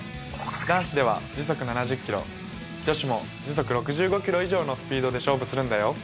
男子では時速７０ｋｍ女子も時速６５ｋｍ以上のスピードで勝負するんだよ